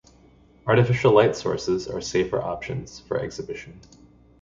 Artificial light sources are safer options for exhibition.